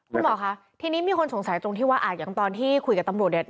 คุณหมอคะทีนี้มีคนสงสัยตรงที่ว่าอย่างตอนที่คุยกับตำรวจเนี่ย